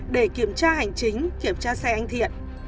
để kiểm tra hành chính kiểm tra xe anh thiện